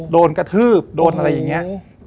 โดนกระทืบโดนอะไรอย่างนี้